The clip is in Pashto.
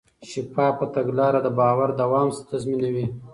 شفافه تګلاره د باور دوام تضمینوي.